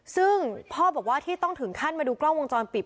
ซึ่งพ่อบอกว่าที่ต้องถึงขั้นมาดูกล้องวงจรปิด